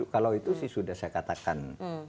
kalau itu sih sudah saya katakan